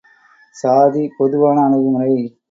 சாதி, பொதுவான அணுகுமுறை.